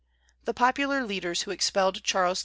The popular leaders who expelled Charles X.